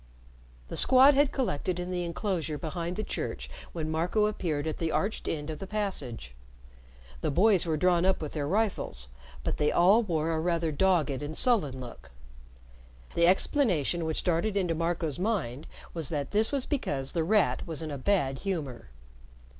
The Squad had collected in the inclosure behind the church when Marco appeared at the arched end of the passage. The boys were drawn up with their rifles, but they all wore a rather dogged and sullen look. The explanation which darted into Marco's mind was that this was because The Rat was in a bad humor.